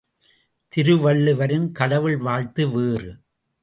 திருவள்ளுவரின் கடவுள் வாழ்த்து வேறு.